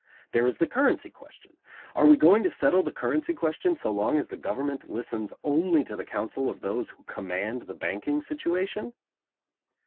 There is the currency question. Are we going to settle the currency question so long as the government listens only to the counsel of those who command the banking situation?